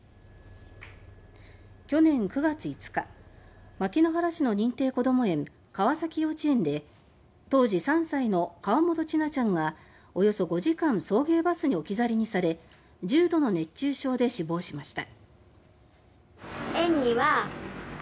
去年９月５日牧之原市の認定こども園川崎幼稚園で当時３歳の河本千奈ちゃんがおよそ５時間送迎バスに置き去りにされ重度の熱中症で死亡しました。